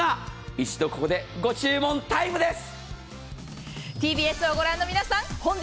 一度ここで、ご注文タイムです。